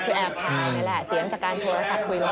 คือแอบถ่ายนี่แหละเสียงจากการโทรศัพท์คุยเลย